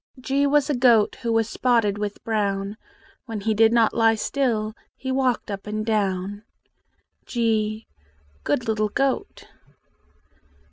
G was a goat Who was spotted with brown: When he did not lie still He walked up and down. g Good little goat!